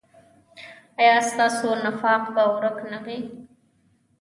ایا ستاسو نفاق به ورک نه وي؟